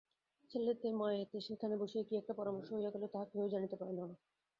ছেলেতে মায়েতে সেইখানে বসিয়া কী একটা পরামর্শ হইয়া গেল তাহা কেহই জানিতে পারিল না।